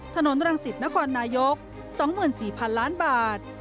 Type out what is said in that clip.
ถนนรังสิตนครนายก๒๔๐๐๐ล้านบาท